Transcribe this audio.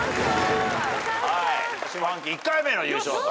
下半期１回目の優勝と。